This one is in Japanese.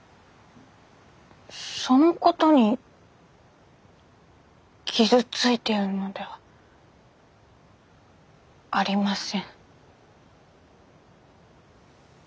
そのことに傷ついているのではありません。